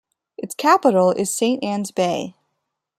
Its capital is Saint Ann's Bay.